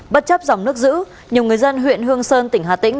bất chấp dòng nước giữ nhiều người dân huyện hương sơn tỉnh hà tĩnh